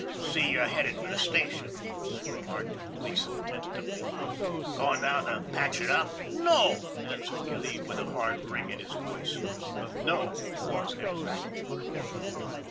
" See you're headin' for the station," remarked Gleason tentatively. " Goin' down to patch it up ?"" No !" answered Gilleen with a hard ring in his voice the " no " was emphatic.